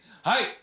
はい。